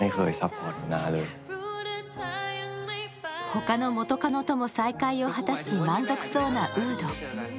ほかの元カノとも再会を果たし、満足そうなウード。